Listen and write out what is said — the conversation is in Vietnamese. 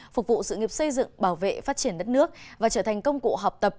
phục vụ sự nghiệp xây dựng bảo vệ phát triển đất nước và trở thành công cụ học tập